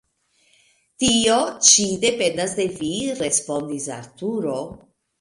Tio ĉi dependas de vi, respondis Arturo.